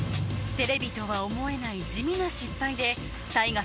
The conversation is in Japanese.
テレビとは思えない地味な失敗でＴＡＩＧＡ